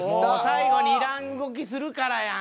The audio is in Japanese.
最後にいらん動きするからやん。